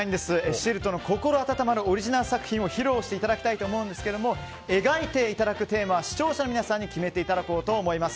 ＳＩＬＴの心温まるオリジナル作品を披露していただきたいと思うんですが描いていただくテーマは視聴者の皆さんに決めていただこうと思います。